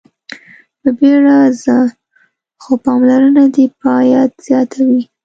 په بيړه ځه خو پاملرنه دې باید زياته وي.